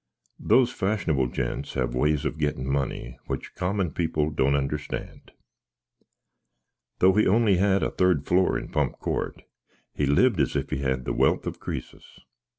Those fashnabble gents have ways of getten money, witch comman pipple doant understand. Though he only had a therd floar in Pump Cort, he lived as if he had the welth if Cresas.